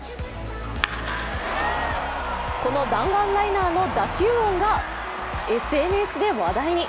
この弾丸ライナーの打球音がＳＮＳで話題に。